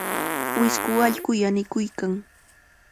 Wisku allqu kanikuykan.